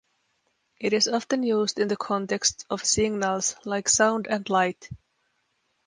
It is often used in the context of signals, like sound and light.